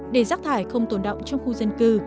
để rác thải không tồn động trong khu dân cư